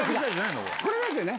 これですよね。